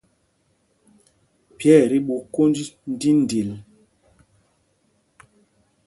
Pye ɛ tí ɓu kwōnj ndīndil.